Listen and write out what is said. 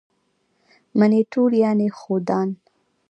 منیټور یعني ښودان.